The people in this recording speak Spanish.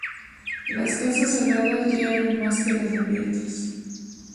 Las casas cerradas ya eran más que las abiertas.